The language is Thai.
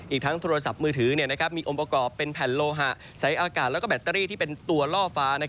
อีกทั้งโทรศัพท์มือถือมีองค์ประกอบเป็นแผ่นโลหะสายอากาศและแบตเตอรี่ที่เป็นตัวล่อฟ้า